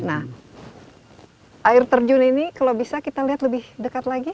nah air terjun ini kalau bisa kita lihat lebih dekat lagi